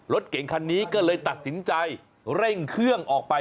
รถเก่งคันนี้ก็เลยตัดสินใจเร่งเครื่องออกไป